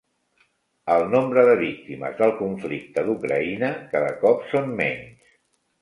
El nombre de víctimes del conflicte d'Ucraïna cada cop són menys